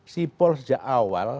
sipol sejak awal